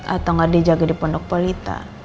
atau gak dia jaga di pondok pelita